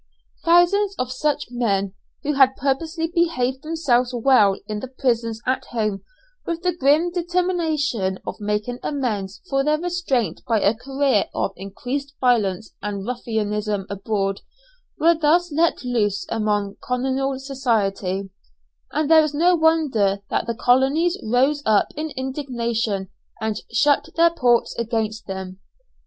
Thousands of such men, who had purposely behaved themselves well in the prison at home, with the grim determination of making amends for their restraint by a career of increased violence and ruffianism abroad, were thus let loose upon colonial society, and there is no wonder that the colonies rose up in indignation and shut their ports against them.